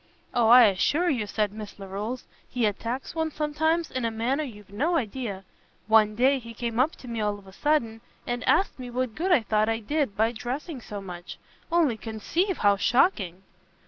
"O, I assure you," said Miss Larolles, "he attacks one sometimes in a manner you've no idea. One day he came up to me all of a sudden, and asked me what good I thought I did by dressing so much? Only conceive how shocking!"